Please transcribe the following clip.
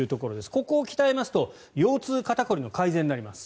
ここを鍛えますと腰痛、肩凝りの改善になります。